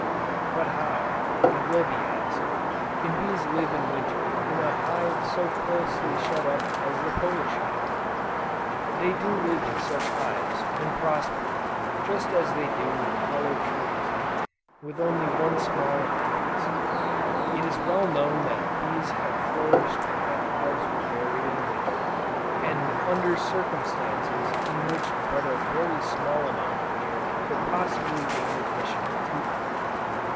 But how, it will be asked, can bees live in Winter, in a hive so closely shut up as the Polish hive? They do live in such hives, and prosper, just as they do in hollow trees, with only one small entrance. It is well known that bees have flourished when their hives were buried in Winter, and under circumstances in which but a very small amount of air could possibly gain admission to them.